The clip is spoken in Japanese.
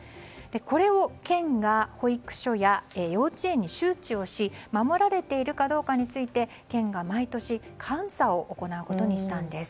これを県が保育所や幼稚園に周知をし守られているかどうかについて県が毎年監査を行うことにしたんです。